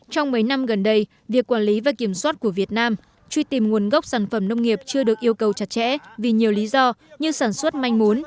trong mấy năm gần đây việc quản lý và kiểm soát của việt nam truy tìm nguồn gốc sản phẩm nông nghiệp chưa được yêu cầu chặt chẽ vì nhiều lý do như sản xuất manh mún